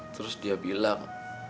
terus dia bilang